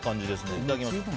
いただきます。